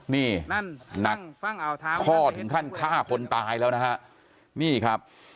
นี่หนักพ่อถึงขั้นฆ่าคนตายแล้วนะฮะนี่ครับ